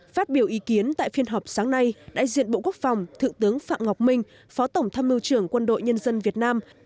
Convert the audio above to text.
phát biểu ý kiến tại phiên họp sáng nay đại diện bộ quốc phòng thượng tướng phạm ngọc minh phó tổng tham mưu trưởng quân đội nhân dân việt nam